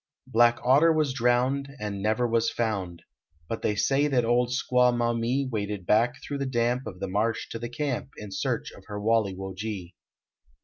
Black Otter was drowned And never was found ; But they say that old Squaw Maumee Waded back thro the damp Of the marsh to the camp In search of her Walle wo ge.